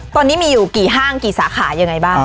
ตอนนี้มีอยู่กี่ห้างกี่สาขายังไงบ้าง